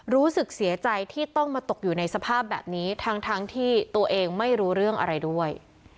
รู้สึกเสียใจที่ต้องมาตกอยู่ในสภาพแบบนี้ทั้งที่ตัวเองไม่รู้เรื่องอะไรด้วย